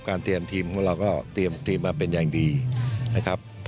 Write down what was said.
เตรียมทีมของเราก็เตรียมทีมมาเป็นอย่างดีนะครับ